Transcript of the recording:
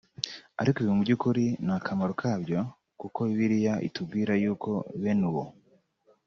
Ariko ibi mu byukuri nta kamaro kabyo kuko Bibiliya itubwira yuko bene uwo